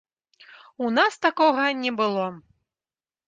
У нас такога не было.